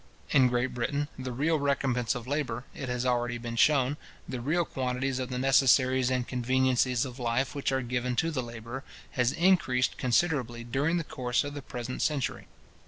In Great Britain, the real recompence of labour, it has already been shewn, the real quantities of the necessaries and conveniencies of life which are given to the labourer, has increased considerably during the course of the present century.